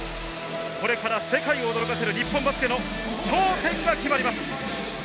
これから世界を驚かせる日本バスケの頂点が決まります。